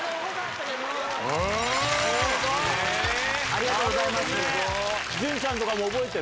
ありがとうございます。